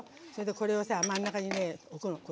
これをさ、真ん中に置くの。